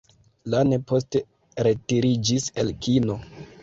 Lane poste retiriĝis el kino.